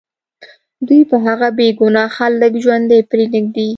دوی به هغه بې ګناه خلک ژوندي پرېنږدي